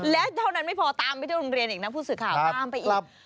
แล้วเท่านั้นไม่พอตามไปที่โรงเรียนอีกนะผู้สื่อข่าวตามไปอีก